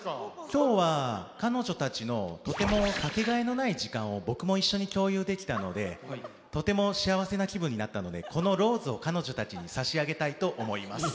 今日は彼女たちのとても掛けがえのない時間を僕も一緒に共有できたのでとても幸せな気分になったのでこのローズを彼女たちに差し上げたいと思います。